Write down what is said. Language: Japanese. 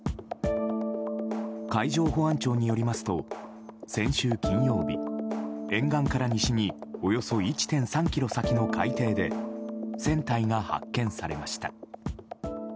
海上保安庁によりますと先週金曜日沿岸から西におよそ１．３ｋｍ先の海底で船体が発見されました。